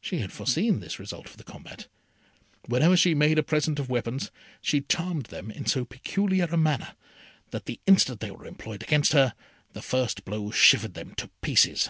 She had foreseen this result of the combat. Whenever she made a present of weapons, she charmed them in so peculiar a manner, that the instant they were employed against her, the first blow shivered them to pieces.